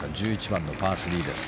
１１番のパー３です。